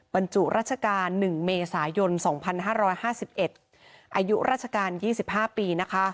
ปัญจุราชการ๑เมษายนตร์๒๕๕๑อายุราชการ๒๕ปี